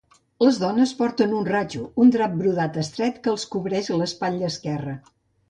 Les dones porten un "rachu", un drap brodat estret que els cobreix l'espatlla esquerra.